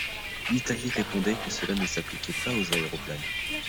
L'Italie répondit que cela ne s'appliquait pas aux aéroplanes.